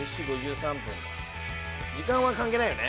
時間は関係ないよね？